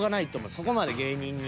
そこまで芸人に。